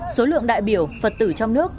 số lượng đại biểu phật tử trong nước